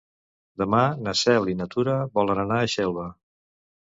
Demà na Cel i na Tura volen anar a Xelva.